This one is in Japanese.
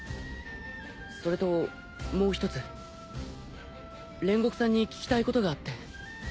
それともう一つ煉獄さんに聞きたいことがあって。